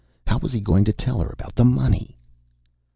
How was he going to tell her about the money?